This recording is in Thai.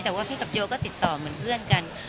แต่ว่าพี่กับโยก็ติดต่อเหมือนเพื่อนกัน